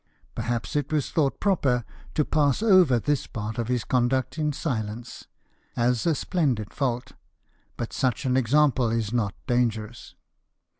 Perhaps it was thought proper to pass over this part of his conduct in silence, as a splendid fault ; but such an example is not dangerous.